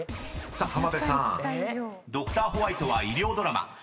［さあ浜辺さん『ドクターホワイト』は医療ドラマ］